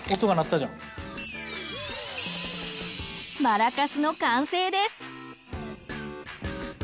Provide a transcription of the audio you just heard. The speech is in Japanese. マラカスの完成です。